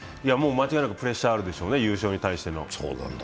間違いなくプレッシャーがあるでしょうね、優勝に対しての。